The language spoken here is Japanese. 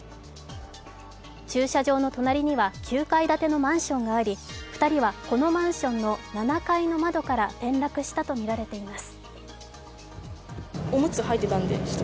駐車場の隣には９階建てのマンションがあり、２人はこのマンションの７階の窓から転落したとみられています。